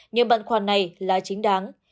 nhưng bận khoản này là chính đáng